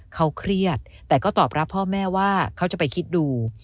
เขาเครียดแต่ก็ตอบรับพ่อแม่ว่าเขาจะไปคิดดู